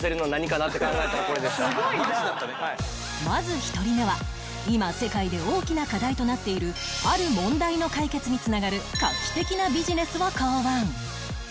まず１人目は今世界で大きな課題となっているある問題の解決に繋がる画期的なビジネスを考案